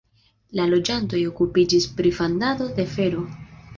La loĝantoj okupiĝis pri fandado de fero.